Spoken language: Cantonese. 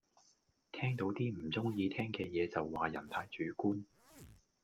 聽到啲唔鐘意聽嘅野就話人太主觀